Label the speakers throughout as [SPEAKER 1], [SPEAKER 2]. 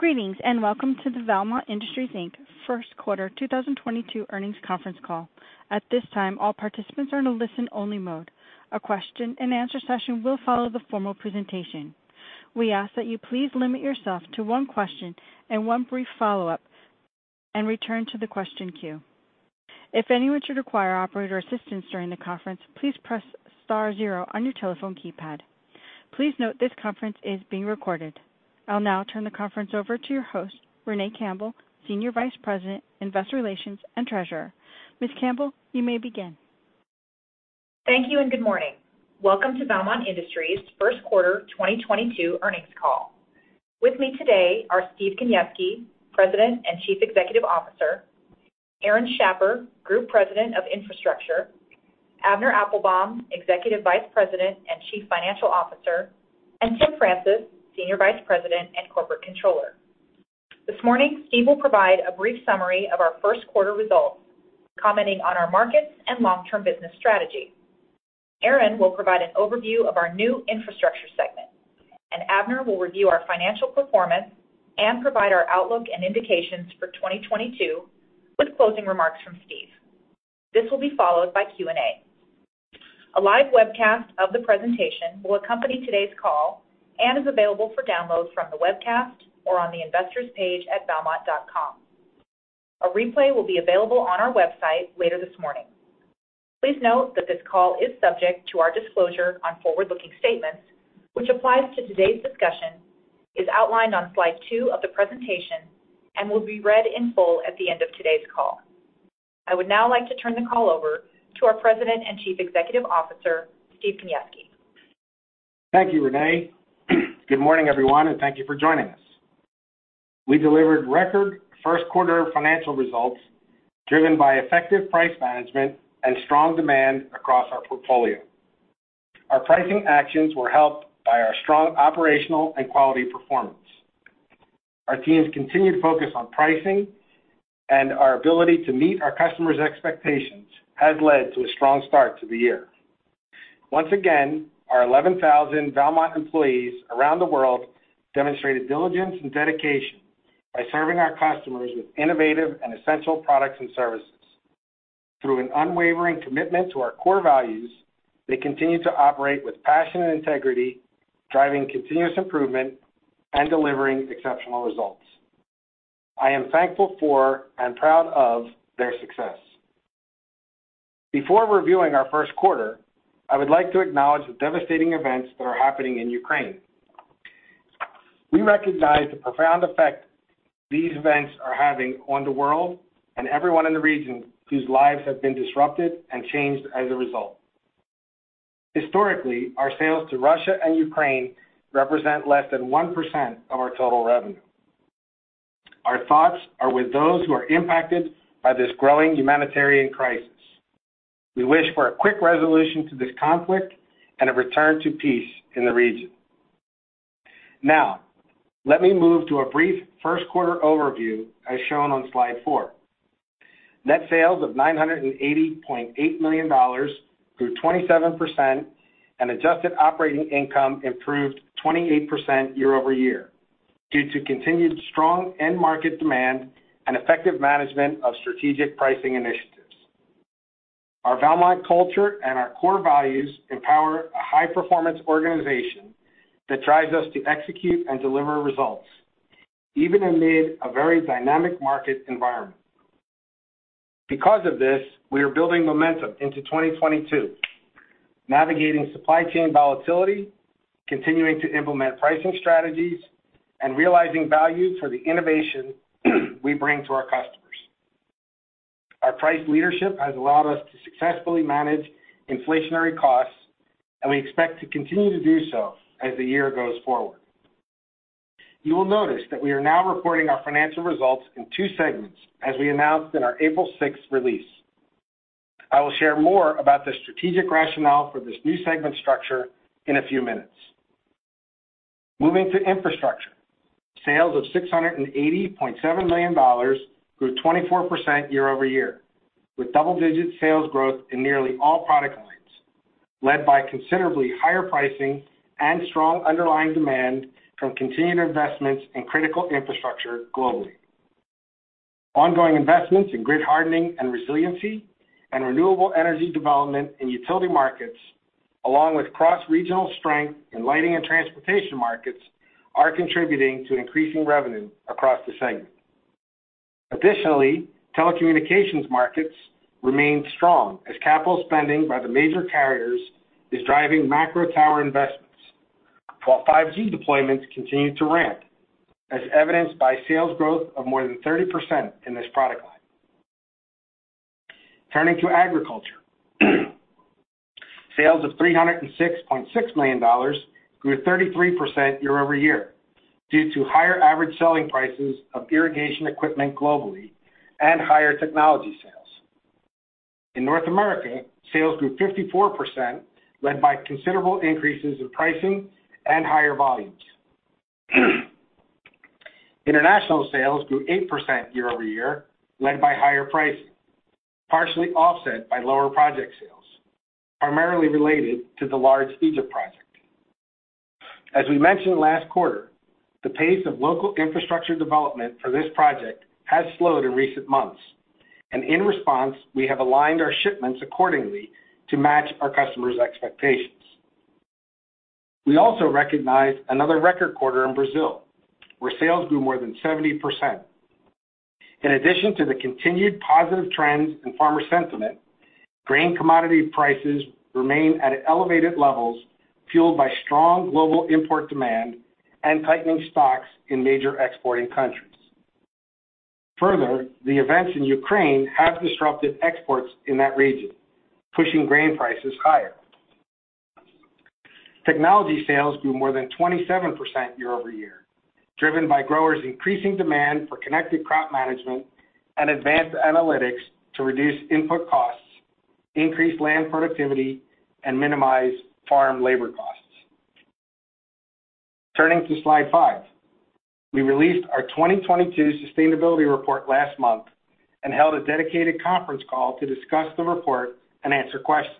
[SPEAKER 1] Greetings, and welcome to the Valmont Industries, Inc. first quarter 2022 earnings conference call. At this time, all participants are in a listen-only mode. A question-and-answer session will follow the formal presentation. We ask that you please limit yourself to one question and one brief follow-up and return to the question queue. If anyone should require operator assistance during the conference, please press star zero on your telephone keypad. Please note this conference is being recorded. I'll now turn the conference over to your host, Renee Campbell, Senior Vice President, Investor Relations and Treasurer. Ms. Campbell, you may begin.
[SPEAKER 2] Thank you and good morning. Welcome to Valmont Industries first quarter 2022 earnings call. With me today are Stephen Kaniewski, President and Chief Executive Officer, Aaron Schapper, Group President of Infrastructure, Avner Applbaum, Executive Vice President and Chief Financial Officer, and Timothy Francis, Senior Vice President and Corporate Controller. This morning, Steve will provide a brief summary of our first quarter results, commenting on our markets and long-term business strategy. Aaron will provide an overview of our new Infrastructure segment, and Avner will review our financial performance and provide our outlook and indications for 2022, with closing remarks from Steve. This will be followed by Q&A. A live webcast of the presentation will accompany today's call and is available for download from the webcast or on the Investors page at valmont.com. A replay will be available on our website later this morning. Please note that this call is subject to our disclosure on forward-looking statements, which applies to today's discussion, is outlined on slide two of the presentation, and will be read in full at the end of today's call. I would now like to turn the call over to our President and Chief Executive Officer, Stephen Kaniewski.
[SPEAKER 3] Thank you, Renee. Good morning, everyone, and thank you for joining us. We delivered record first quarter financial results driven by effective price management and strong demand across our portfolio. Our pricing actions were helped by our strong operational and quality performance. Our team's continued focus on pricing and our ability to meet our customers' expectations has led to a strong start to the year. Once again, our 11,000 Valmont employees around the world demonstrated diligence and dedication by serving our customers with innovative and essential products and services. Through an unwavering commitment to our core values, they continue to operate with passion and integrity, driving continuous improvement and delivering exceptional results. I am thankful for and proud of their success. Before reviewing our first quarter, I would like to acknowledge the devastating events that are happening in Ukraine. We recognize the profound effect these events are having on the world and everyone in the region whose lives have been disrupted and changed as a result. Historically, our sales to Russia and Ukraine represent less than 1% of our total revenue. Our thoughts are with those who are impacted by this growing humanitarian crisis. We wish for a quick resolution to this conflict and a return to peace in the region. Now, let me move to a brief first quarter overview as shown on slide four. Net sales of $980.8 million grew 27% and adjusted operating income improved 28% year-over-year due to continued strong end market demand and effective management of strategic pricing initiatives. Our Valmont culture and our core values empower a high-performance organization that drives us to execute and deliver results, even amid a very dynamic market environment. Because of this, we are building momentum into 2022, navigating supply chain volatility, continuing to implement pricing strategies, and realizing value for the innovation we bring to our customers. Our price leadership has allowed us to successfully manage inflationary costs, and we expect to continue to do so as the year goes forward. You will notice that we are now reporting our financial results in two segments, as we announced in our April 6 release. I will share more about the strategic rationale for this new segment structure in a few minutes. Moving to Infrastructure, Sales of $680.7 million grew 24% year-over-year, with double-digit sales growth in nearly all product lines, led by considerably higher pricing and strong underlying demand from continued investments in critical infrastructure globally. Ongoing investments in grid hardening and resiliency and renewable energy development in utility markets, along with cross-regional strength in lighting and transportation markets, are contributing to increasing revenue across the segment. Additionally, telecommunications markets remain strong as capital spending by the major carriers is driving macro tower investments, while 5G deployments continue to ramp, as evidenced by sales growth of more than 30% in this product line. Turning to Agriculture, sales of $306.6 million grew 33% year-over-year due to higher average selling prices of irrigation equipment globally and higher technology sales. In North America, sales grew 54%, led by considerable increases in pricing and higher volumes. International sales grew 8% year-over-year, led by higher pricing, partially offset by lower project sales, primarily related to the large Egypt project. As we mentioned last quarter, the pace of local infrastructure development for this project has slowed in recent months, and in response, we have aligned our shipments accordingly to match our customers' expectations. We also recognized another record quarter in Brazil, where sales grew more than 70%. In addition to the continued positive trends in farmer sentiment, grain commodity prices remain at elevated levels, fueled by strong global import demand and tightening stocks in major exporting countries. Further, the events in Ukraine have disrupted exports in that region, pushing grain prices higher. Technology sales grew more than 27% year-over-year, driven by growers' increasing demand for connected crop management and advanced analytics to reduce input costs, increase land productivity, and minimize farm labor costs. Turning to slide five. We released our 2022 Sustainability Report last month and held a dedicated conference call to discuss the report and answer questions.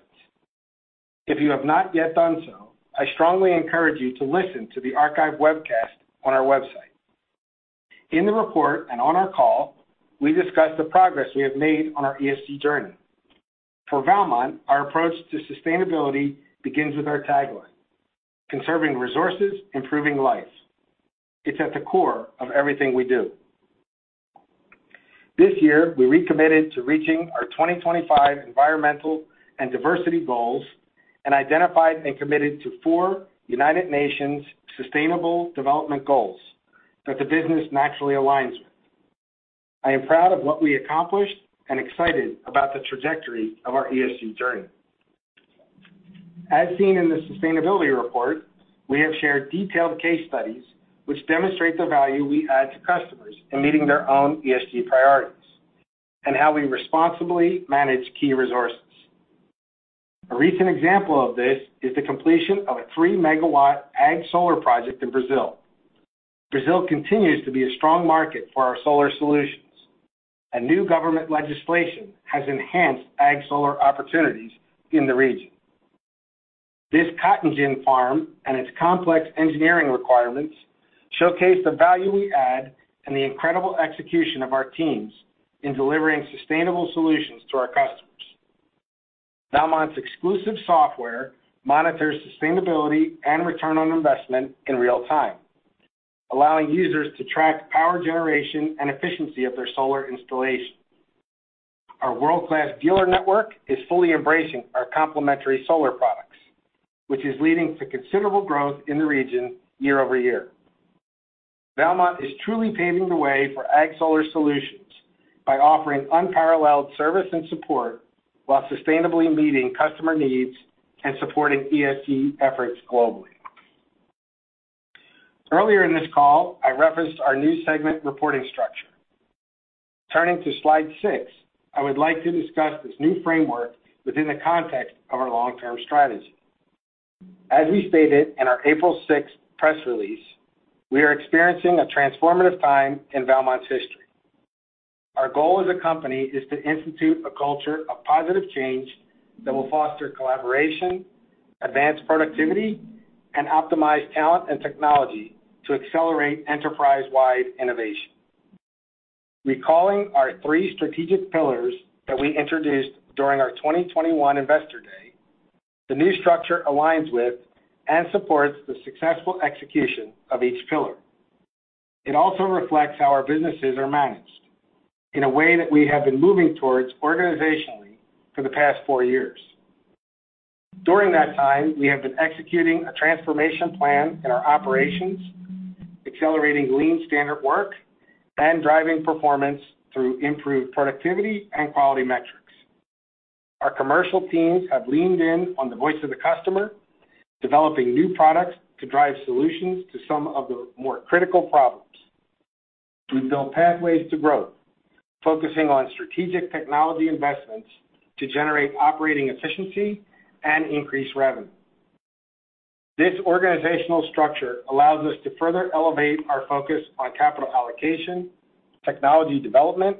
[SPEAKER 3] If you have not yet done so, I strongly encourage you to listen to the archived webcast on our website. In the report and on our call, we discussed the progress we have made on our ESG journey. For Valmont, our approach to sustainability begins with our tagline: Conserving Resources. Improving Life. It's at the core of everything we do. This year, we recommitted to reaching our 2025 environmental and diversity goals and identified and committed to four United Nations Sustainable Development Goals that the business naturally aligns with. I am proud of what we accomplished and excited about the trajectory of our ESG journey. As seen in the Sustainability Report, we have shared detailed case studies which demonstrate the value we add to customers in meeting their own ESG priorities and how we responsibly manage key resources. A recent example of this is the completion of a 3-MW Ag Solar project in Brazil. Brazil continues to be a strong market for our solar solutions. A new government legislation has enhanced Ag Solar opportunities in the region. This cotton gin farm and its complex engineering requirements showcase the value we add and the incredible execution of our teams in delivering sustainable solutions to our customers. Valmont's exclusive software monitors sustainability and return on investment in real time, allowing users to track power generation and efficiency of their solar installation. Our world-class dealer network is fully embracing our complimentary solar products, which is leading to considerable growth in the region year over year. Valmont is truly paving the way for ag solar solutions by offering unparalleled service and support while sustainably meeting customer needs and supporting ESG efforts globally. Earlier in this call, I referenced our new segment reporting structure. Turning to slide 6, I would like to discuss this new framework within the context of our long-term strategy. As we stated in our April 6th press release, we are experiencing a transformative time in Valmont's history. Our goal as a company is to institute a culture of positive change that will foster collaboration, advance productivity, and optimize talent and technology to accelerate enterprise-wide innovation. Recalling our three strategic pillars that we introduced during our 2021 Investor Day, the new structure aligns with and supports the successful execution of each pillar. It also reflects how our businesses are managed in a way that we have been moving towards organizationally for the past four years. During that time, we have been executing a transformation plan in our operations, accelerating lean standard work, and driving performance through improved productivity and quality metrics. Our commercial teams have leaned in on the voice of the customer, developing new products to drive solutions to some of the more critical problems. We've built pathways to growth, focusing on strategic technology investments to generate operating efficiency and increase revenue. This organizational structure allows us to further elevate our focus on capital allocation, technology development,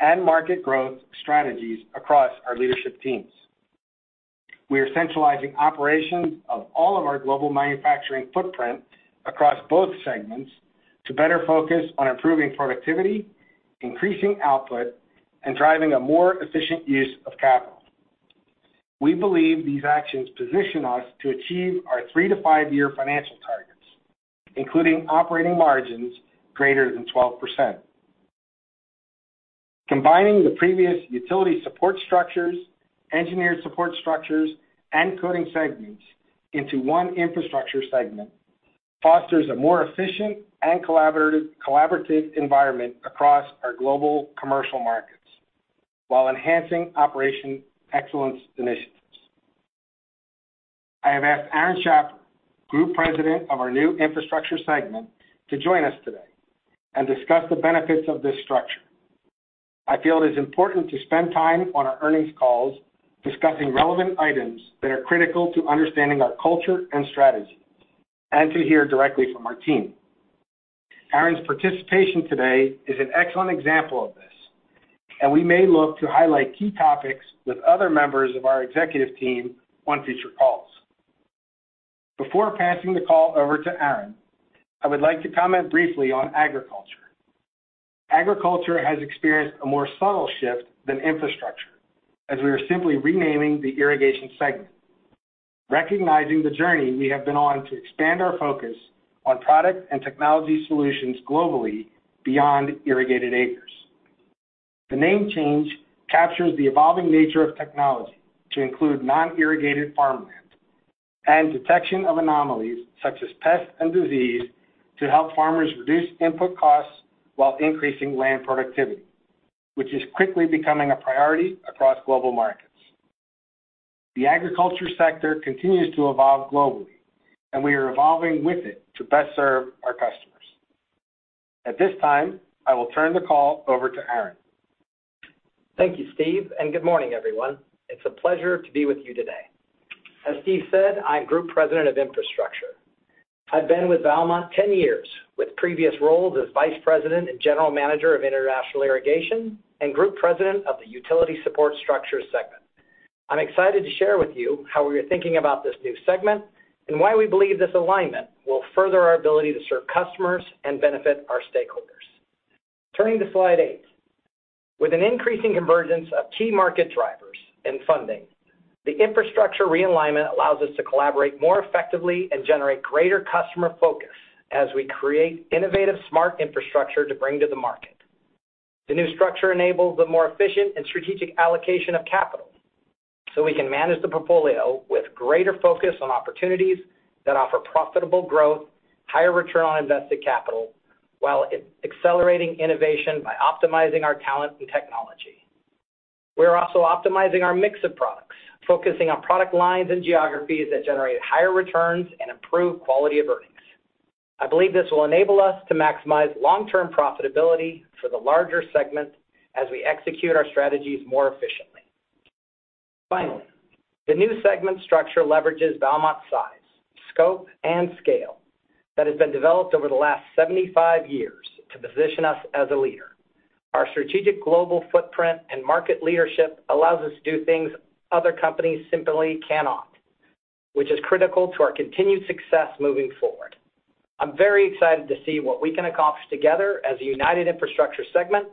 [SPEAKER 3] and market growth strategies across our leadership teams. We're centralizing operations of all of our global manufacturing footprint across both segments to better focus on improving productivity, increasing output, and driving a more efficient use of capital. We believe these actions position us to achieve our three- to five-year financial targets, including operating margins greater than 12%. Combining the previous Utility Support Structures, Engineered Support Structures, and Coatings segments into one Infrastructure segment fosters a more efficient and collaborative environment across our global commercial markets while enhancing operational excellence initiatives. I have asked Aaron Schapper, Group President of our new Infrastructure segment, to join us today and discuss the benefits of this structure. I feel it is important to spend time on our earnings calls discussing relevant items that are critical to understanding our culture and strategy, and to hear directly from our team. Aaron's participation today is an excellent example of this, and we may look to highlight key topics with other members of our executive team on future calls. Before passing the call over to Aaron, I would like to comment briefly on Agriculture. Agriculture has experienced a more subtle shift than Infrastructure, as we are simply renaming the irrigation segment, recognizing the journey we have been on to expand our focus on product and technology solutions globally beyond irrigated acres. The name change captures the evolving nature of technology to include non-irrigated farmland, and detection of anomalies such as pests and disease to help farmers reduce input costs while increasing land productivity, which is quickly becoming a priority across global markets. The agriculture sector continues to evolve globally, and we are evolving with it to best serve our customers. At this time, I will turn the call over to Aaron.
[SPEAKER 4] Thank you, Steve, and good morning, everyone. It's a pleasure to be with you today. As Steve said, I'm Group President of Infrastructure. I've been with Valmont 10 years, with previous roles as Vice President and General Manager of International Irrigation and group president of the Utility Support Structures segment. I'm excited to share with you how we are thinking about this new segment and why we believe this alignment will further our ability to serve customers and benefit our stakeholders. Turning to slide eight, with an increasing convergence of key market drivers and funding, the Infrastructure realignment allows us to collaborate more effectively and generate greater customer focus as we create innovative smart infrastructure to bring to the market. The new structure enables a more efficient and strategic allocation of capital, so we can manage the portfolio with greater focus on opportunities that offer profitable growth, higher return on invested capital, while accelerating innovation by optimizing our talent and technology. We are also optimizing our mix of products, focusing on product lines and geographies that generate higher returns and improve quality of earnings. I believe this will enable us to maximize long-term profitability for the larger segment as we execute our strategies more efficiently. Finally, the new segment structure leverages Valmont's size, scope, and scale that has been developed over the last 75 years to position us as a leader. Our strategic global footprint and market leadership allows us to do things other companies simply cannot, which is critical to our continued success moving forward. I'm very excited to see what we can accomplish together as a united Infrastructure segment,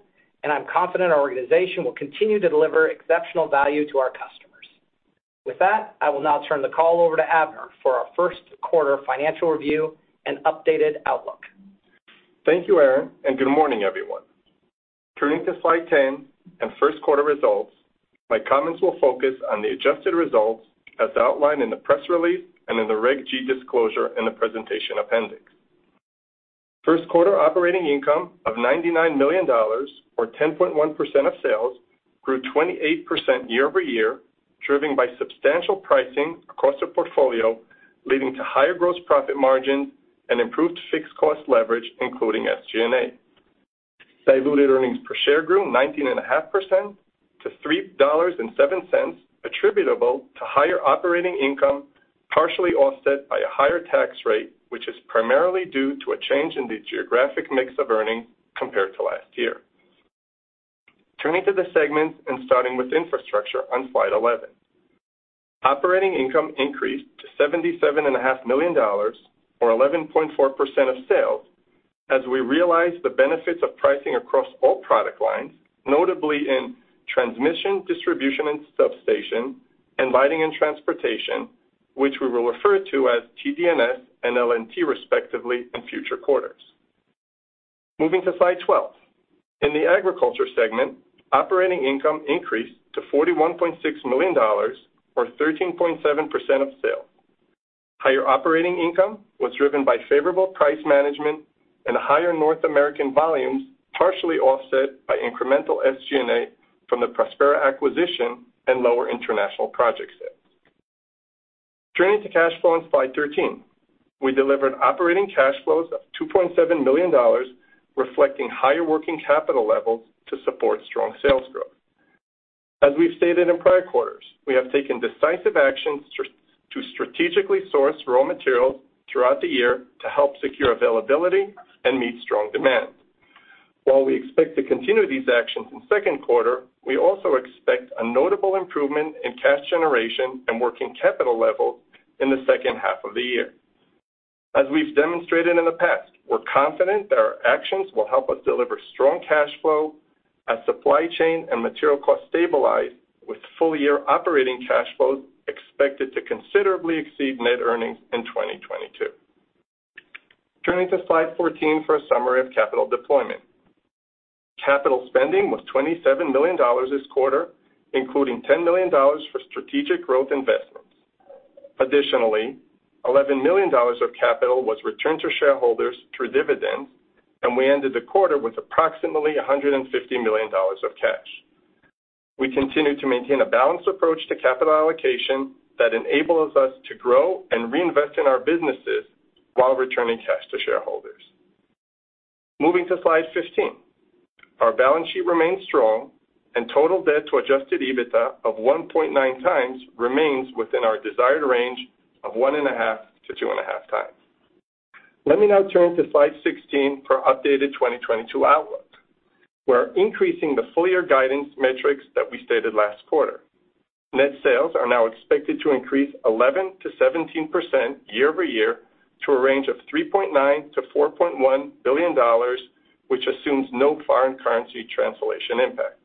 [SPEAKER 4] and I'm confident our organization will continue to deliver exceptional value to our customers. With that, I will now turn the call over to Avner for our first quarter financial review and updated outlook.
[SPEAKER 5] Thank you, Aaron, and good morning, everyone. Turning to slide 10 and first quarter results, my comments will focus on the adjusted results as outlined in the press release and in the Reg. G disclosure in the presentation appendix. First quarter operating income of $99 million or 10.1% of sales grew 28% year-over-year, driven by substantial pricing across the portfolio, leading to higher gross profit margins and improved fixed cost leverage, including SG&A. Diluted earnings per share grew 19.5% to $3.07 attributable to higher operating income, partially offset by a higher tax rate, which is primarily due to a change in the geographic mix of earnings compared to last year. Turning to the segments and starting with Infrastructure on slide 11. Operating income increased to $77.5 million or 11.4% of sales as we realize the benefits of pricing across all product lines, notably in transmission, distribution, and substation, and lighting and transportation, which we will refer to as TD&S and L&T respectively in future quarters. Moving to slide 12, in the Agriculture segment, operating income increased to $41.6 million or 13.7% of sales. Higher operating income was driven by favorable price management and higher North American volumes, partially offset by incremental SG&A from the Prospera acquisition and lower international project sales. Turning to cash flow on slide 13. We delivered operating cash flows of $2.7 million, reflecting higher working capital levels to support strong sales growth. As we've stated in prior quarters, we have taken decisive action to strategically source raw materials throughout the year to help secure availability and meet strong demand. While we expect to continue these actions in second quarter, we also expect a notable improvement in cash generation and working capital levels in the second half of the year. As we've demonstrated in the past, we're confident that our actions will help us deliver strong cash flow as supply chain and material costs stabilize with full-year operating cash flows expected to considerably exceed net earnings in 2022. Turning to slide 14 for a summary of capital deployment. Capital spending was $27 million this quarter, including $10 million for strategic growth investments. Additionally, $11 million of capital was returned to shareholders through dividends, and we ended the quarter with approximately $150 million of cash. We continue to maintain a balanced approach to capital allocation that enables us to grow and reinvest in our businesses while returning cash to shareholders. Moving to slide 15. Our balance sheet remains strong and total debt to adjusted EBITDA of 1.9x remains within our desired range of 1.5x-2.5x. Let me now turn to slide 16 for updated 2022 outlook. We're increasing the full year guidance metrics that we stated last quarter. Net sales are now expected to increase 11%-17% year-over-year to a range of $3.9 billion-$4.1 billion, which assumes no foreign currency translation impact.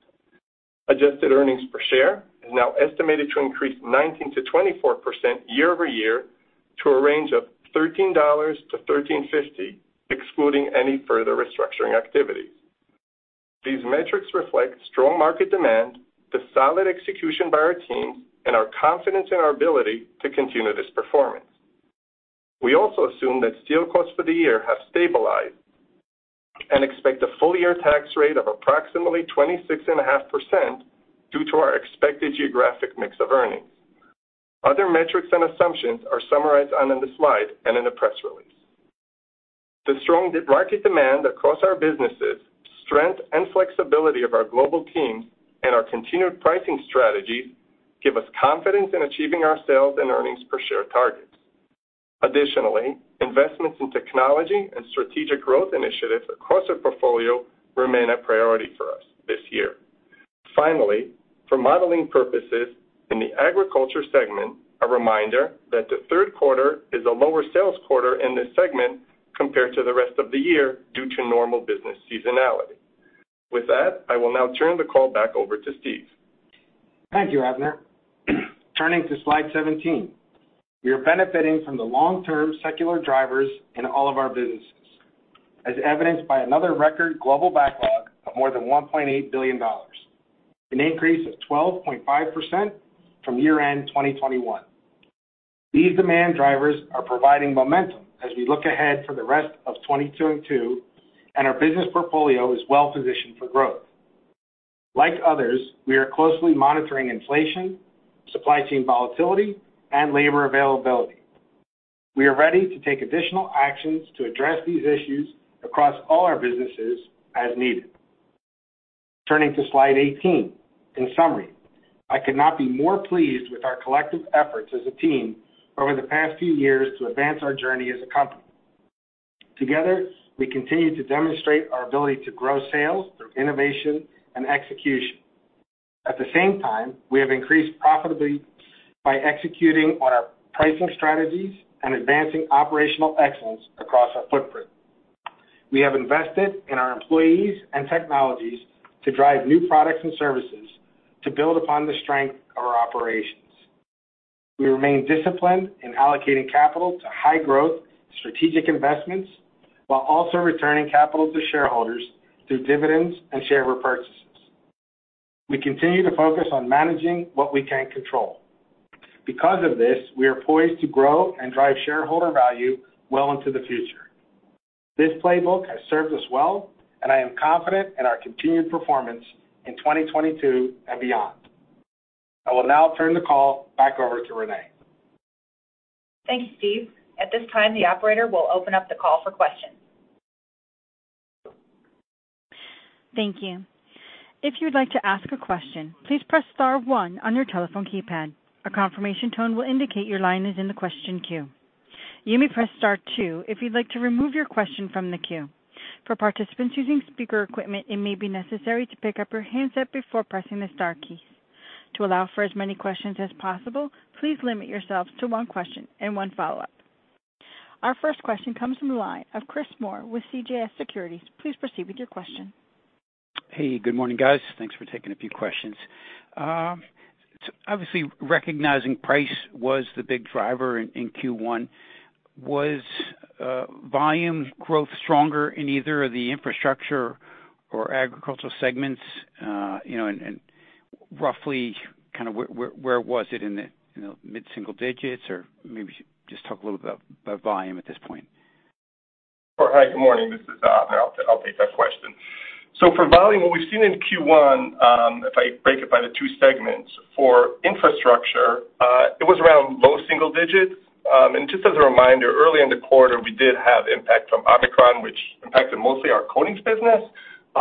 [SPEAKER 5] Adjusted earnings per share is now estimated to increase 19%-24% year-over-year to a range of $13-$13.50, excluding any further restructuring activities. These metrics reflect strong market demand, the solid execution by our teams, and our confidence in our ability to continue this performance. We also assume that steel costs for the year have stabilized and expect a full year tax rate of approximately 26.5% due to our expected geographic mix of earnings. Other metrics and assumptions are summarized in the slide and in the press release. The strong market demand across our businesses, strength and flexibility of our global teams, and our continued pricing strategies give us confidence in achieving our sales and earnings per share targets. Additionally, investments in technology and strategic growth initiatives across our portfolio remain a priority for us this year. Finally, for modeling purposes in the Agriculture segment, a reminder that the third quarter is a lower sales quarter in this segment compared to the rest of the year due to normal business seasonality. With that, I will now turn the call back over to Steve.
[SPEAKER 3] Thank you, Avner. Turning to slide 17. We are benefiting from the long-term secular drivers in all of our businesses, as evidenced by another record global backlog of more than $1.8 billion, an increase of 12.5% from year-end 2021. These demand drivers are providing momentum as we look ahead for the rest of 2022, and our business portfolio is well-positioned for growth. Like others, we are closely monitoring inflation, supply chain volatility, and labor availability. We are ready to take additional actions to address these issues across all our businesses, as needed. Turning to slide 18, in summary, I could not be more pleased with our collective efforts as a team over the past few years to advance our journey as a company. Together, we continue to demonstrate our ability to grow sales through innovation and execution. At the same time, we have increased profitably by executing on our pricing strategies and advancing operational excellence across our footprint. We have invested in our employees and technologies to drive new products and services to build upon the strength of our operations. We remain disciplined in allocating capital to high-growth strategic investments, while also returning capital to shareholders through dividends and share repurchases. We continue to focus on managing what we can control. Because of this, we are poised to grow and drive shareholder value well into the future. This playbook has served us well, and I am confident in our continued performance in 2022 and beyond. I will now turn the call back over to Renee.
[SPEAKER 2] Thank you, Steve. At this time, the operator will open up the call for questions.
[SPEAKER 1] Thank you. If you would like to ask a question, please press star one on your telephone keypad. A confirmation tone will indicate your line is in the question queue. You may press star two if you'd like to remove your question from the queue. For participants using speaker equipment, it may be necessary to pick up your handset before pressing the star keys. To allow for as many questions as possible, please limit yourselves to one question and one follow-up. Our first question comes from the line of Chris Moore with CJS Securities. Please proceed with your question.
[SPEAKER 6] Hey, good morning, guys. Thanks for taking a few questions. Obviously, recognizing price was the big driver in Q1. Was volume growth stronger in either of the Infrastructure or Agricultural segments? You know, and roughly kind of where was it in the, you know, mid-single digits? Or maybe just talk a little bit about volume at this point.
[SPEAKER 5] All right. Good morning. This is Avner. I'll take that question. For volume, what we've seen in Q1, if I break it by the two segments, for Infrastructure, it was around low single digits. Just as a reminder, early in the quarter, we did have impact from Omicron, which impacted mostly our coatings business,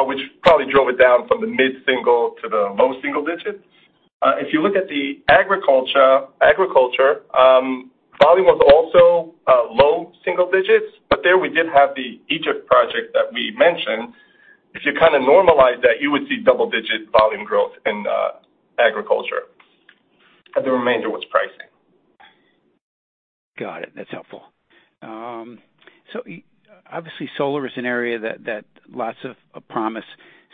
[SPEAKER 5] which probably drove it down from the mid-single to the low single digits. If you look at the Agriculture, volume was also low single digits. There we did have the Egypt project that we mentioned. If you kind of normalize that, you would see double-digit volume growth in Agriculture, and the remainder was pricing.
[SPEAKER 6] Got it. That's helpful. Obviously solar is an area that has lots of promise.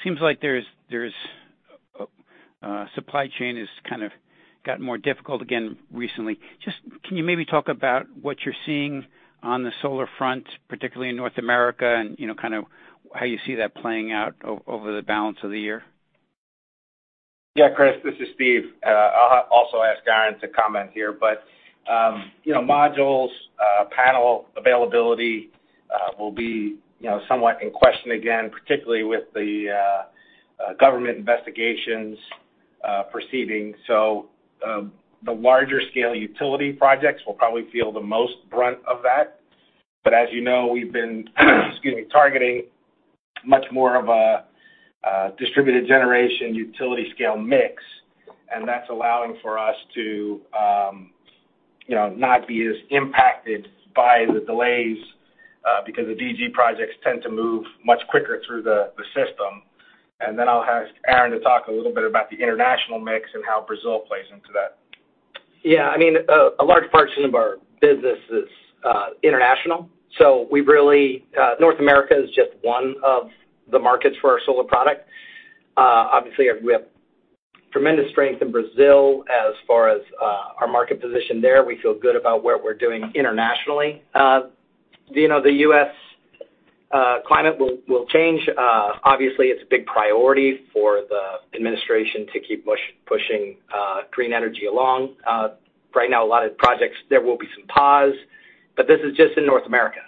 [SPEAKER 6] Seems like there's -- supply chain has kind of gotten more difficult again recently. Just can you maybe talk about what you're seeing on the solar front, particularly in North America and, you know, kind of how you see that playing out over the balance of the year?
[SPEAKER 3] Yeah, Chris, this is Steve. I'll also ask Aaron to comment here. You know, modules, panel availability will be, you know, somewhat in question again, particularly with the government investigations proceeding. The larger scale utility projects will probably feel the most brunt of that. As you know, we've been targeting much more of a distributed generation utility scale mix, and that's allowing for us to, you know, not be as impacted by the delays, because the DG projects tend to move much quicker through the system. Then I'll ask Aaron to talk a little bit about the international mix and how Brazil plays into that.
[SPEAKER 4] Yeah. I mean, a large portion of our business is international. North America is just one of the markets for our solar product. Obviously, we have tremendous strength in Brazil as far as our market position there. We feel good about what we're doing internationally. You know, the U.S. climate will change. Obviously, it's a big priority for the administration to keep pushing green energy along. Right now, a lot of projects there will be some pause, but this is just in North America.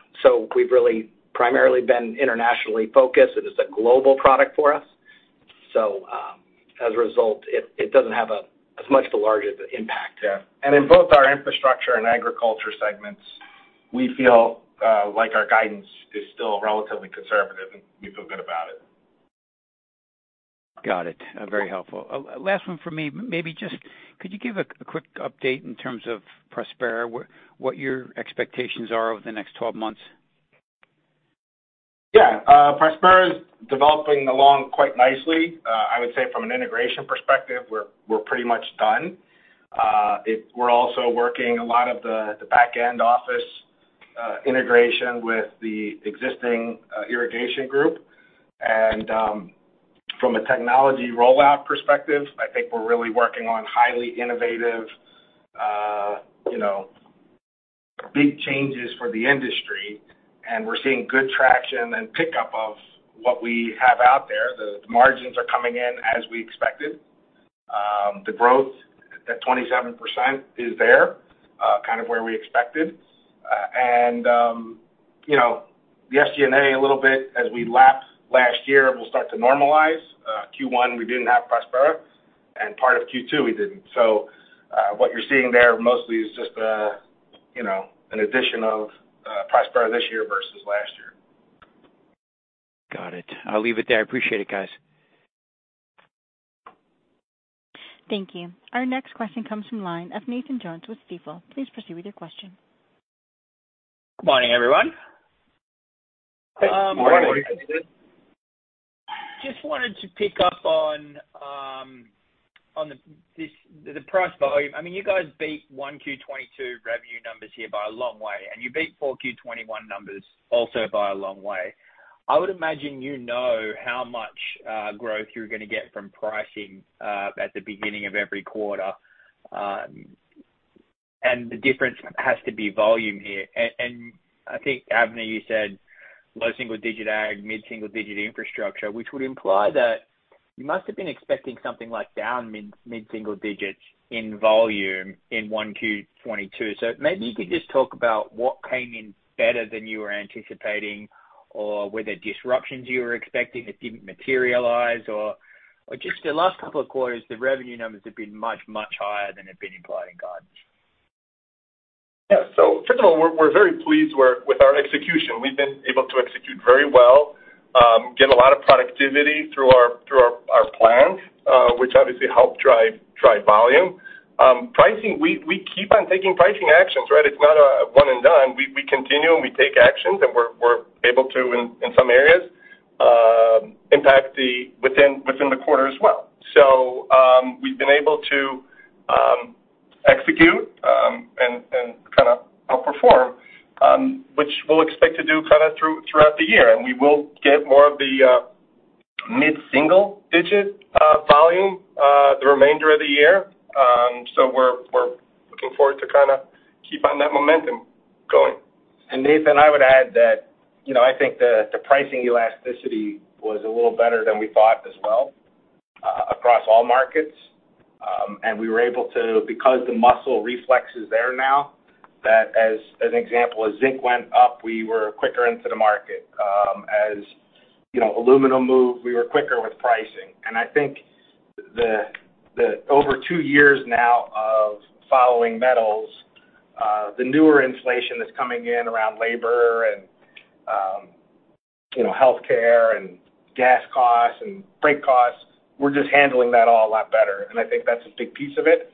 [SPEAKER 4] We've really primarily been internationally focused. It is a global product for us. As a result, it doesn't have as much of a large impact.
[SPEAKER 3] Yeah. In both our Infrastructure and Agriculture segments, we feel like our guidance is still relatively conservative, and we feel good about it.
[SPEAKER 6] Got it. Very helpful. Last one for me. Maybe just could you give a quick update in terms of Prospera, what your expectations are over the next 12 months?
[SPEAKER 3] Yeah. Prospera is developing along quite nicely. I would say from an integration perspective, we're pretty much done. We're also working a lot of the back-end office integration with the existing irrigation group. From a technology rollout perspective, I think we're really working on highly innovative, you know, big changes for the industry, and we're seeing good traction and pickup of what we have out there. The margins are coming in as we expected. The growth at 27% is there, kind of where we expected. You know, the SG&A, a little bit as we lap last year, will start to normalize. Q1, we didn't have Prospera, and part of Q2, we didn't. What you're seeing there mostly is just, you know, an addition of Prospera this year versus last year.
[SPEAKER 6] Got it. I'll leave it there. I appreciate it, guys.
[SPEAKER 1] Thank you. Our next question comes from the line of Nathan Jones with Stifel. Please proceed with your question.
[SPEAKER 7] Good morning, everyone.
[SPEAKER 3] Good morning.
[SPEAKER 7] Just wanted to pick up on the price volume. I mean, you guys beat 1Q 2022 revenue numbers here by a long way, and you beat 4Q 2021 numbers also by a long way. I would imagine you know how much growth you're going to get from pricing at the beginning of every quarter, and the difference has to be volume here. I think, Avner, you said low single digit ag, mid single digit Infrastructure, which would imply that you must have been expecting something like down mid single digits in volume in 1Q 2022. Maybe you could just talk about what came in better than you were anticipating or were there disruptions you were expecting that didn't materialize or just the last couple of quarters, the revenue numbers have been much, much higher than had been implied in guidance?
[SPEAKER 5] Yeah. First of all, we're very pleased with our execution. We've been able to execute very well, get a lot of productivity through our plans, which obviously help drive volume. Pricing, we keep on taking pricing actions, right? It's not a one and done. We continue and we take actions, and we're able to, in some areas, impact within the quarter as well. We've been able to execute and kind of outperform, which we'll expect to do kind of throughout the year. We will get more of the mid-single digit volume the remainder of the year. We're looking forward to kind of keep on that momentum going.
[SPEAKER 3] Nathan, I would add that, you know, I think the pricing elasticity was a little better than we thought as well across all markets. We were able to, because the muscle reflex is there now, that, as an example, as zinc went up, we were quicker into the market. As you know, aluminum moved, we were quicker with pricing. I think the over two years now of following metals, the newer inflation that's coming in around labor and, you know, healthcare and gas costs and freight costs, we're just handling that all a lot better, and I think that's a big piece of it.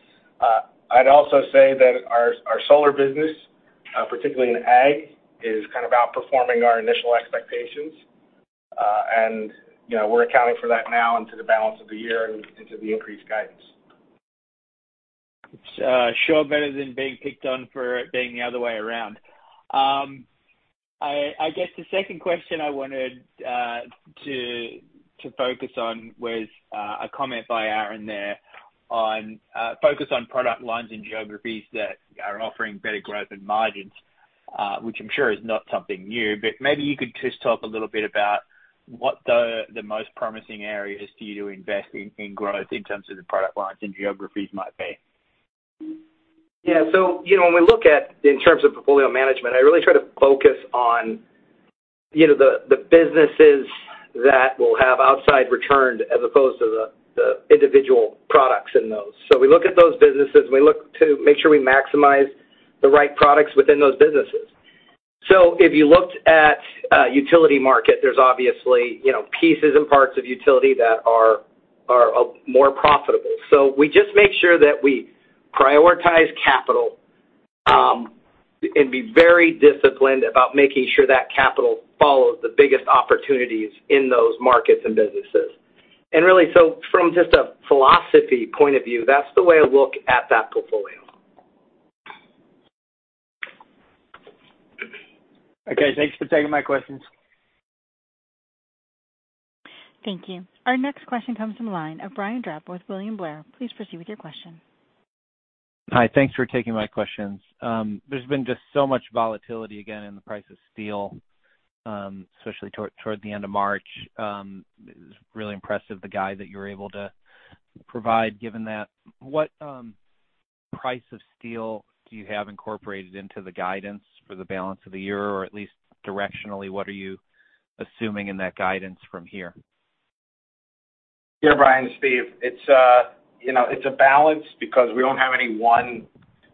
[SPEAKER 3] I'd also say that our solar business, particularly in Ag, is kind of outperforming our initial expectations. You know, we're accounting for that now into the balance of the year and into the increased guidance.
[SPEAKER 7] It's sure better than being picked on for it being the other way around. I guess the second question I wanted to focus on was a comment by Aaron there, n focused on product lines and geographies that are offering better growth and margins, which I'm sure is not something new, but maybe you could just talk a little bit about what the most promising areas for you to invest in growth in terms of the product lines and geographies might be.
[SPEAKER 4] Yeah. You know, when we look at -- in terms of portfolio management, I really try to focus on You know, the businesses that will have highest returns as opposed to the individual products in those. We look at those businesses, and we look to make sure we maximize the right products within those businesses. If you looked at utility market, there's obviously, you know, pieces and parts of utility that are more profitable. We just make sure that we prioritize capital and be very disciplined about making sure that capital follows the biggest opportunities in those markets and businesses. Really, from just a philosophy point of view, that's the way I look at that portfolio.
[SPEAKER 7] Okay, thanks for taking my questions.
[SPEAKER 1] Thank you. Our next question comes from the line of Brian Drab with William Blair. Please proceed with your question.
[SPEAKER 8] Hi. Thanks for taking my questions. There's been just so much volatility again in the price of steel, especially toward the end of March. It was really impressive, the guide that you were able to provide given that. What price of steel do you have incorporated into the guidance for the balance of the year, or at least directionally, what are you assuming in that guidance from here?
[SPEAKER 3] Yeah, Brian, it's Steve. It's you know, it's a balance because we don't have any one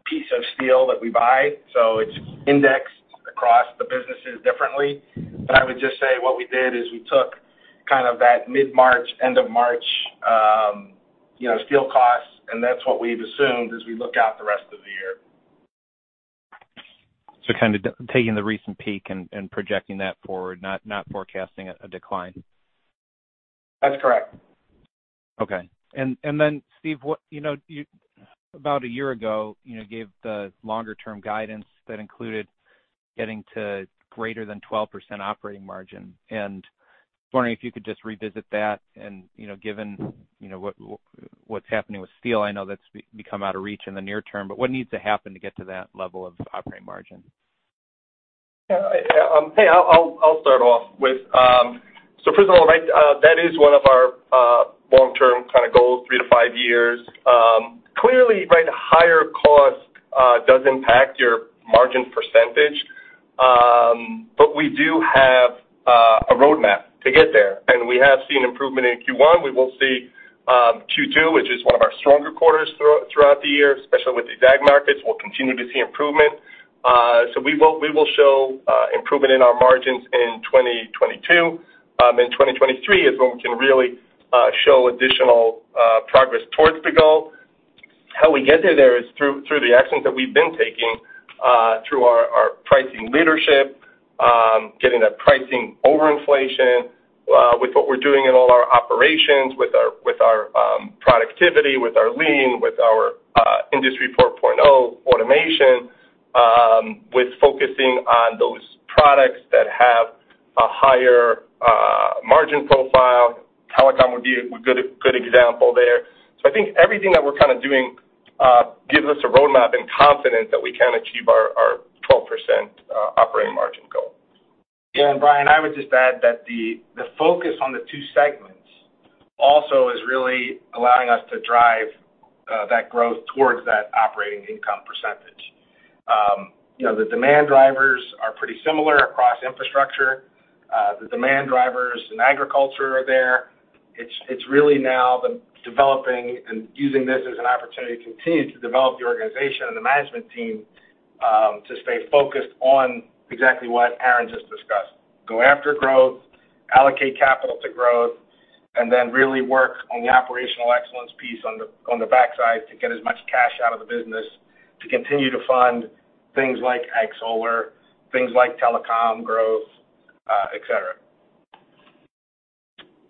[SPEAKER 3] piece of steel that we buy, so it's indexed across the businesses differently. But I would just say what we did is we took kind of that mid-March, end of March, you know, steel costs, and that's what we've assumed as we look out the rest of the year.
[SPEAKER 8] Kind of taking the recent peak and projecting that forward, not forecasting a decline?
[SPEAKER 3] That's correct.
[SPEAKER 8] Okay. Then Steve, what? You know, you about a year ago, you know, gave the long-term guidance that included getting to greater than 12% operating margin. Wondering if you could just revisit that and, you know, given, you know, what's happening with steel, I know that's become out of reach in the near term, but what needs to happen to get to that level of operating margin?
[SPEAKER 5] I'll start off with-- First of all, that is one of our long-term kind of goals, three to five years. Clearly, right, higher cost does impact your margin percentage. But we do have a roadmap to get there, and we have seen improvement in Q1. We will see Q2, which is one of our stronger quarters throughout the year, especially with the Ag markets. We'll continue to see improvement. We will show improvement in our margins in 2022. In 2023 is when we can really show additional progress towards the goal. How we get there is through the actions that we've been taking, through our pricing leadership, getting that pricing overinflation, with what we're doing in all our operations, with our productivity, with our lean, with our Industry 4.0 automation, with focusing on those products that have a higher margin profile. Telecom would be a good example there. I think everything that we're kind of doing gives us a roadmap and confidence that we can achieve our 12% operating margin goal.
[SPEAKER 3] Yeah. Brian, I would just add that the focus on the two segments also is really allowing us to drive that growth towards that operating income percentage. You know, the demand drivers are pretty similar across Infrastructure. The demand drivers in agriculture are there. It's really now the developing and using this as an opportunity to continue to develop the organization and the management team to stay focused on exactly what Aaron just discussed. Go after growth, allocate capital to growth, and then really work on the operational excellence piece on the backside to get as much cash out of the business to continue to fund things like Ag Solar, things like telecom growth, et cetera.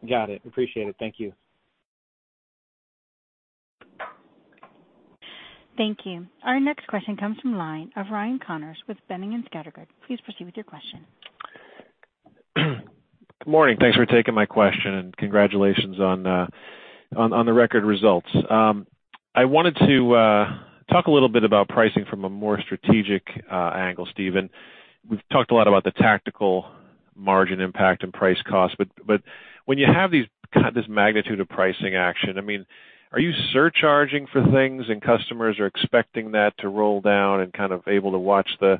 [SPEAKER 8] Got it. Appreciate it. Thank you.
[SPEAKER 1] Thank you. Our next question comes from the line of Ryan Connors with Boenning & Scattergood. Please proceed with your question.
[SPEAKER 9] Good morning. Thanks for taking my question, and congratulations on the record results. I wanted to talk a little bit about pricing from a more strategic angle, Stephen. We've talked a lot about the tactical margin impact and price cost, but when you have these this magnitude of pricing action, I mean, are you surcharging for things and customers are expecting that to roll down and kind of able to watch the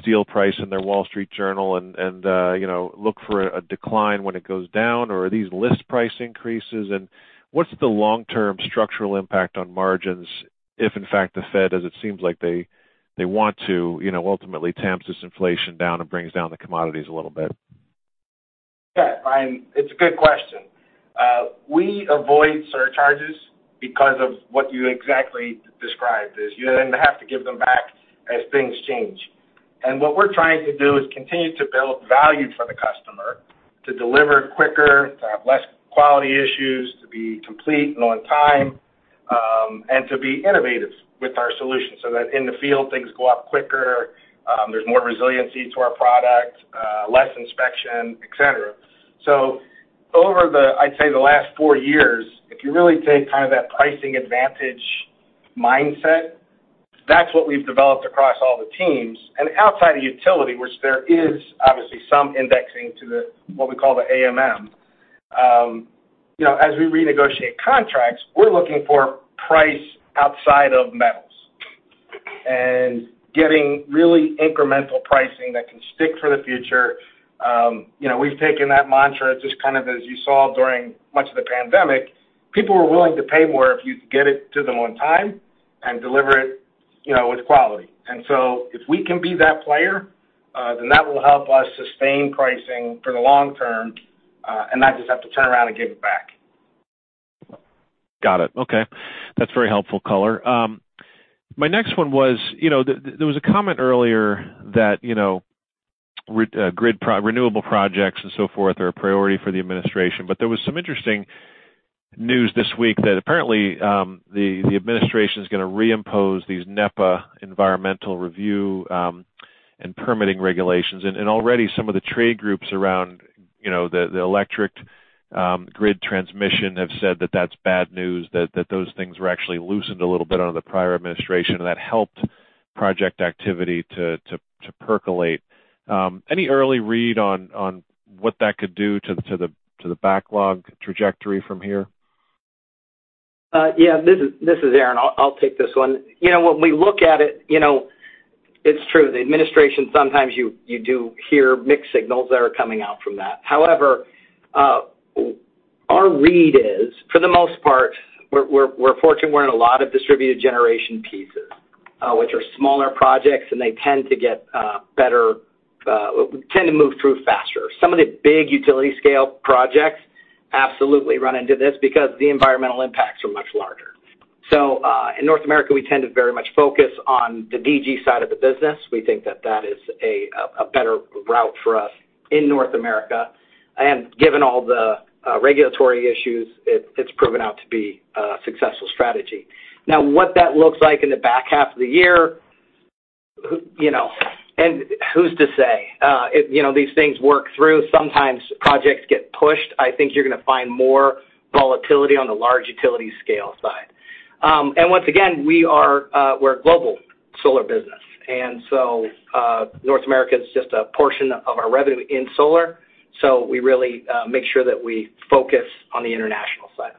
[SPEAKER 9] steel price in their Wall Street Journal and you know look for a decline when it goes down? Or are these list price increases? What's the long-term structural impact on margins if in fact the Fed does? as it seems like they want to you know ultimately tamp this inflation down and brings down the commodities a little bit.
[SPEAKER 3] Yeah, Ryan, it's a good question. We avoid surcharges because of what you exactly described is you then have to give them back as things change. What we're trying to do is continue to build value for the customer, to deliver quicker, to have less quality issues, to be complete and on time, and to be innovative with our solutions, so that in the field things go up quicker, there's more resiliency to our product, less inspection, et cetera. Over the, I'd say, the last four years, if you really take kind of that pricing advantage mindset, that's what we've developed across all the teams. Outside of utility, which there is obviously some indexing to the, what we call the AMM, you know, as we renegotiate contracts, we're looking for price outside of metals and getting really incremental pricing that can stick for the future. You know, we've taken that mantra just kind of as you saw during much of the pandemic. People were willing to pay more if you could get it to them on time and deliver it, you know, with quality. So, if we can be that player, then that will help us sustain pricing for the long term and not just have to turn around and give it back.
[SPEAKER 9] Got it. Okay. That's very helpful color. My next one was, you know, there was a comment earlier that, you know, the grid renewable projects and so forth are a priority for the administration, but there was some interesting news this week that apparently, the administration is going to re-impose these NEPA environmental review and permitting regulations. Already some of the trade groups around, you know, the electric grid transmission have said that that's bad news, that those things were actually loosened a little bit under the prior administration and that helped project activity to percolate. Any early read on what that could do to the backlog trajectory from here?
[SPEAKER 4] Yeah. This is Aaron. I'll take this one. You know, when we look at it, you know, it's true, the administration sometimes you do hear mixed signals that are coming out from that. However, our read is, for the most part, we're fortunate we're in a lot of distributed generation pieces, which are smaller projects and they tend to move through faster. Some of the big utility scale projects absolutely run into this because the environmental impacts are much larger. In North America, we tend to very much focus on the DG side of the business. We think that that is a better route for us in North America. Given all the regulatory issues, it's proven out to be a successful strategy. Now, what that looks like in the back half of the year, who, you know, and who's to say? You know, these things work through. Sometimes projects get pushed. I think you're going to find more volatility on the large utility scale side. Once again, we're a global solar business, and so, North America is just a portion of our revenue in solar, so we really make sure that we focus on the international side.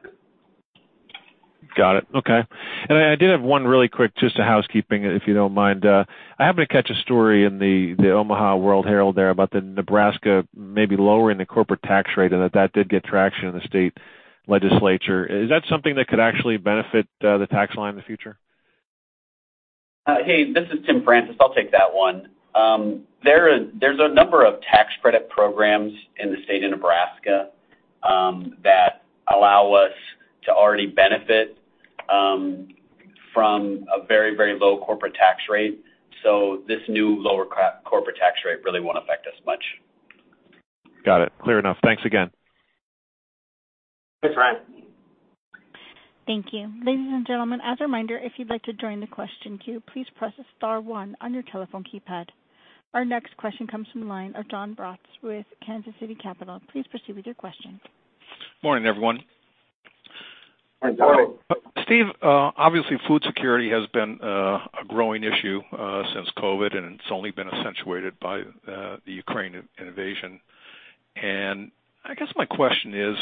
[SPEAKER 9] Got it. Okay. I did have one really quick, just a housekeeping, if you don't mind. I happened to catch a story in the Omaha World-Herald there about the Nebraska maybe lowering the corporate tax rate and that did get traction in the state legislature. Is that something that could actually benefit the tax line in the future?
[SPEAKER 10] Hey, this is Tim Francis. I'll take that one. There's a number of tax credit programs in the state of Nebraska that allow us to already benefit from a very, very low corporate tax rate. This new lower corporate tax rate really won't affect us much.
[SPEAKER 9] Got it. Clear enough. Thanks again.
[SPEAKER 3] Thanks, Ryan.
[SPEAKER 1] Thank you. Ladies and gentlemen, as a reminder, if you'd like to join the question queue, please press star one on your telephone keypad. Our next question comes from the line of Jon Braatz with Kansas City Capital Associates. Please proceed with your question.
[SPEAKER 11] Morning, everyone.
[SPEAKER 3] Good morning, Jon.
[SPEAKER 11] Steve, obviously food security has been a growing issue since COVID, and it's only been accentuated by the Ukraine invasion. I guess my question is,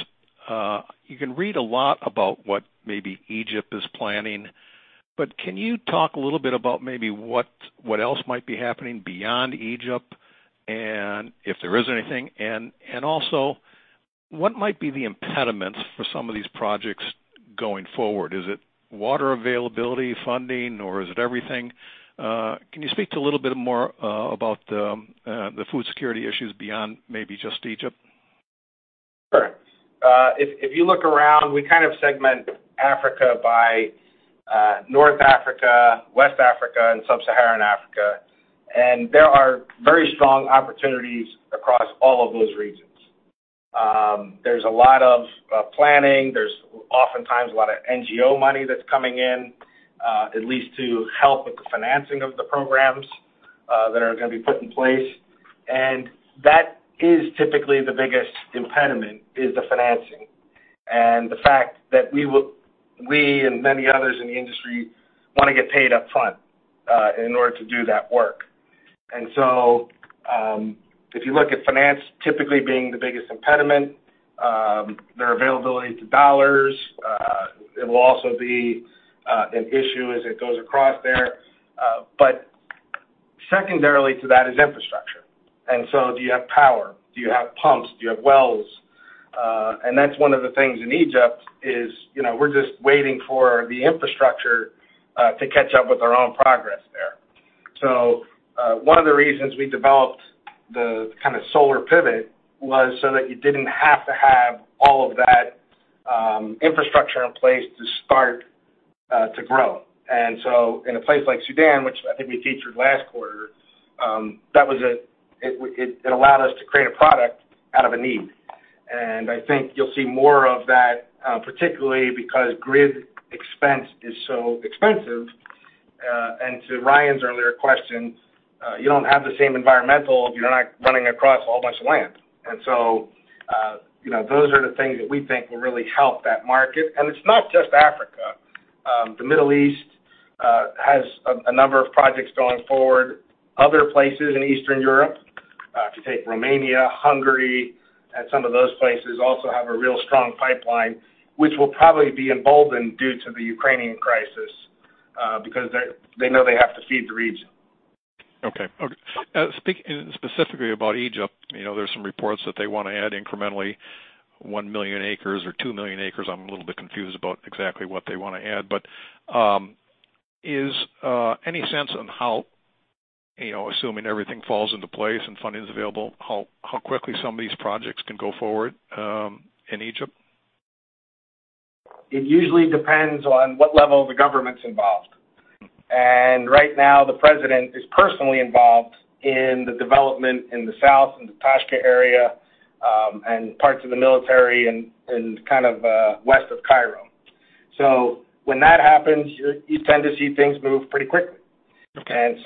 [SPEAKER 11] you can read a lot about what maybe Egypt is planning, but can you talk a little bit about maybe what else might be happening beyond Egypt, and if there is anything? And also, what might be the impediments for some of these projects going forward? Is it water availability, funding, or is it everything? Can you speak to a little bit more about the food security issues beyond maybe just Egypt?
[SPEAKER 3] Sure. If you look around, we kind of segment Africa by North Africa, West Africa and Sub-Saharan Africa, and there are very strong opportunities across all of those regions. There's a lot of planning. There's oftentimes a lot of NGO money that's coming in, at least to help with the financing of the programs that are going to be put in place. That is typically the biggest impediment is the financing, and the fact that we and many others in the industry want to get paid up front in order to do that work. If you look at finance typically being the biggest impediment, their availability to dollars it will also be an issue as it goes across there. But secondarily to that is infrastructure. Do you have power? Do you have pumps? Do you have wells? That's one of the things in Egypt is, you know, we're just waiting for the infrastructure to catch up with our own progress there. One of the reasons we developed the kind of solar pivot was so that you didn't have to have all of that Infrastructure in place to start to grow. In a place like Sudan, which I think we featured last quarter, that it allowed us to create a product out of a need. I think you'll see more of that, particularly because grid expense is so expensive. To Ryan's earlier question, you don't have the same environmental if you're not running across a whole bunch of land. You know, those are the things that we think will really help that market. It's not just Africa. The Middle East has a number of projects going forward. Other places in Eastern Europe, to take Romania, Hungary, and some of those places also have a real strong pipeline, which will probably be emboldened due to the Ukrainian crisis, because they know they have to feed the region.
[SPEAKER 11] Speaking specifically about Egypt, you know, there's some reports that they want to add incrementally 1 million acres or 2 million acres. I'm a little bit confused about exactly what they want to add, but is there any sense on how, you know, assuming everything falls into place and funding is available, how quickly some of these projects can go forward in Egypt?
[SPEAKER 3] It usually depends on what level the government's involved. Right now, the president is personally involved in the development in the south, in the Toshka area, and parts of the military and kind of west of Cairo. When that happens, you tend to see things move pretty quickly.
[SPEAKER 11] Okay.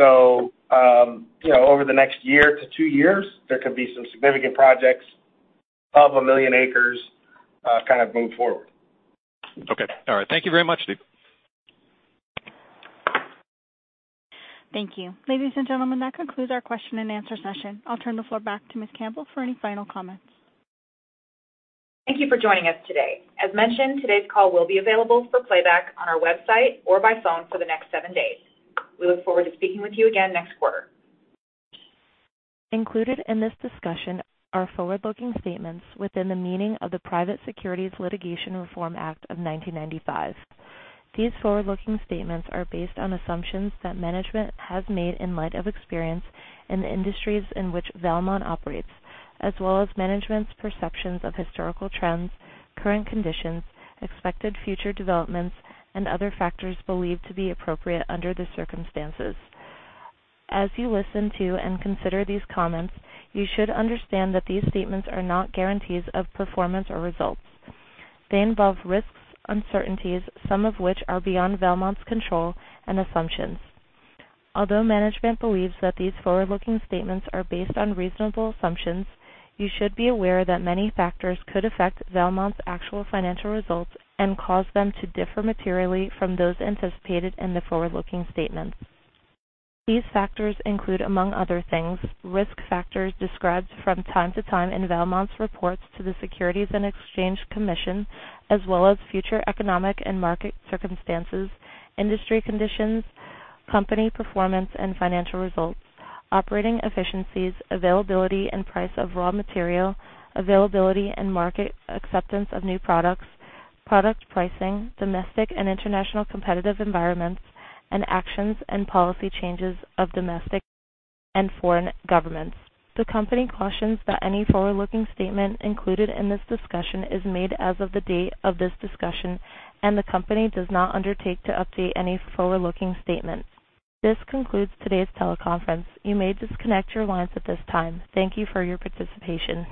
[SPEAKER 3] You know, over the next year to two years, there could be some significant projects of 1 million acres kind of move forward.
[SPEAKER 11] Okay. All right. Thank you very much, Steve.
[SPEAKER 1] Thank you. Ladies and gentlemen, that concludes our question and answer session. I'll turn the floor back to Ms. Campbell for any final comments.
[SPEAKER 2] Thank you for joining us today. As mentioned, today's call will be available for playback on our website or by phone for the next seven days. We look forward to speaking with you again next quarter.
[SPEAKER 1] Included in this discussion are forward-looking statements within the meaning of the Private Securities Litigation Reform Act of 1995. These forward-looking statements are based on assumptions that management has made in light of experience in the industries in which Valmont operates, as well as management's perceptions of historical trends, current conditions, expected future developments, and other factors believed to be appropriate under the circumstances. As you listen to and consider these comments, you should understand that these statements are not guarantees of performance or results. They involve risks, uncertainties, some of which are beyond Valmont's control and assumptions. Although management believes that these forward-looking statements are based on reasonable assumptions, you should be aware that many factors could affect Valmont's actual financial results and cause them to differ materially from those anticipated in the forward-looking statements. These factors include, among other things, risk factors described from time to time in Valmont's reports to the Securities and Exchange Commission, as well as future economic and market circumstances, industry conditions, company performance and financial results, operating efficiencies, availability and price of raw material, availability and market acceptance of new products, product pricing, domestic and international competitive environments, and actions and policy changes of domestic and foreign governments. The company cautions that any forward-looking statement included in this discussion is made as of the date of this discussion, and the company does not undertake to update any forward-looking statements. This concludes today's teleconference. You may disconnect your lines at this time. Thank you for your participation.